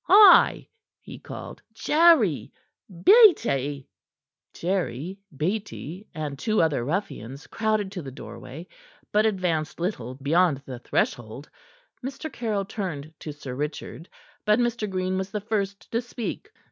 "Hi!" he called. "Jerry! Beattie!" Jerry, Beattie, and two other ruffians crowded to the doorway, but advanced little beyond the threshold. Mr. Caryll turned to Sir Richard. But Mr. Green was the first to speak.